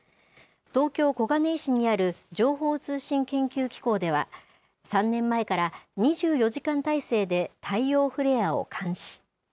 東京・小金井市にある情報通信研究機構では、３年前から２４時間体制で太陽フレアを監視。